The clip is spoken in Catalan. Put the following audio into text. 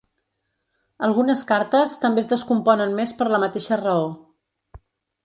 Algunes cartes també es descomponen més per la mateixa raó.